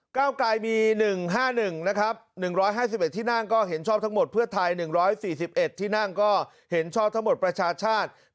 เก้าไกรมี๑๕๑นะครับ๑๕๑ที่นั่งก็เห็นชอบทั้งหมดเพื่อไทย๑๔๑ที่นั่งก็เห็นชอบทั้งหมดประชาชาติ